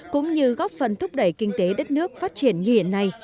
cũng như góp phần thúc đẩy kinh tế đất nước phát triển như hiện nay